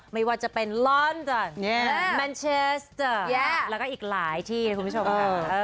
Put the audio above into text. ไม่ว่าจะเป็นลอนจ้ะแมนเชสแยะแล้วก็อีกหลายที่คุณผู้ชมค่ะ